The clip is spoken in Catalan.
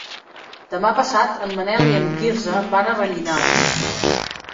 Demà passat en Manel i en Quirze van a Rellinars.